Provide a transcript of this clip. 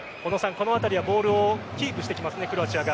このあたりはボールをキープしてきますねクロアチアが。